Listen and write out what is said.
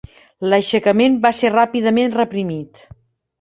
L'aixecament va ser ràpidament reprimit.